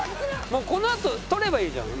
このあと撮ればいいじゃん。